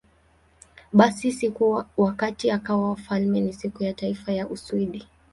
Basi, siku wakati akawa wafalme ni Siku ya Taifa ya Uswidi.